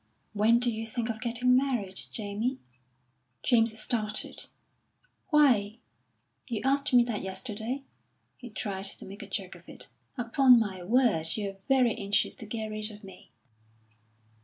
"When do you think of getting married, Jamie?" James started. "Why, you asked me that yesterday," He tried to make a joke of it. "Upon my word, you're very anxious to get rid of me."